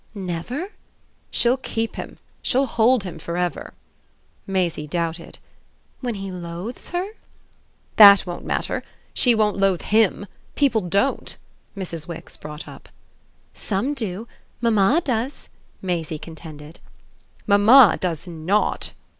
"Never?" "She'll keep him. She'll hold him for ever." Maisie doubted. "When he 'loathes' her?" "That won't matter. She won't loathe HIM. People don't!" Mrs. Wix brought up. "Some do. Mamma does," Maisie contended. "Mamma does NOT!"